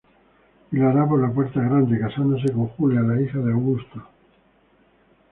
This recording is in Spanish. Y lo hará por la puerta grande: casándose con Julia, la hija de Augusto.